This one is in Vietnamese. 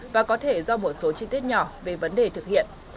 và có thể do một số chi tiết nhỏ về vấn đề thực hiện